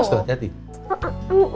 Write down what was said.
masih panas tuh hati hati